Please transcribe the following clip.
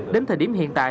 đến thời điểm hiện tại